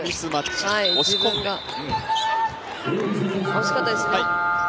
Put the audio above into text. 惜しかったですね。